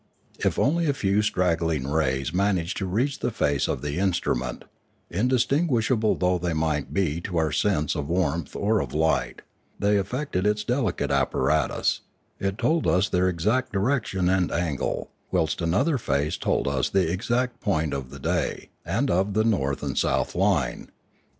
If only a few straggling rays managed to reach the face of the instrument, indistinguishable though they might be to our sense of warmth or of light, they affected its delicate apparatus; it told us their exact direction and angle, whilst another face told us the exact point of the day, and of the north and south line.